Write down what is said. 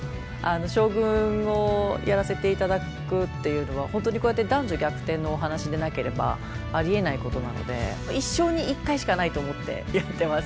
将軍をやらせて頂くっていうのは本当にこうやって男女逆転のお話でなければありえないことなので一生に一回しかないと思ってやってます。